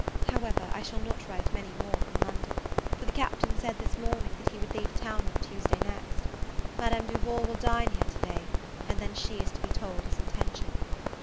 however, I shall not write many more from London; for the Captain said this morning, that he would leave town on Tuesday next. Madame Duval will dine here to day, and then she is to be told his intention.